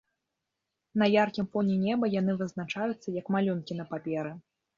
На яркім фоне неба яны вызначаюцца, як малюнкі на паперы.